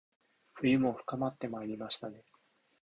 冬も深まってまいりましたね